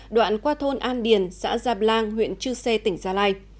đoạn qua thôn an điền xã gia blang huyện chư sê tỉnh gia lai